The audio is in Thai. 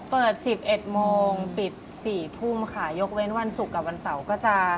๑๑โมงปิด๔ทุ่มค่ะยกเว้นวันศุกร์กับวันเสาร์ก็จะ